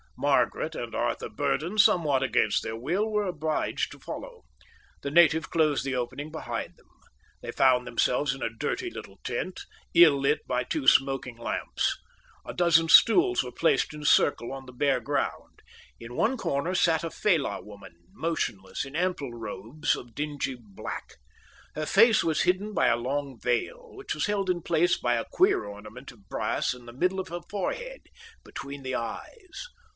Margaret and Arthur Burdon, somewhat against their will, were obliged to follow. The native closed the opening behind them. They found themselves in a dirty little tent, ill lit by two smoking lamps; a dozen stools were placed in a circle on the bare ground. In one corner sat a fellah woman, motionless, in ample robes of dingy black. Her face was hidden by a long veil, which was held in place by a queer ornament of brass in the middle of the forehead, between the eyes.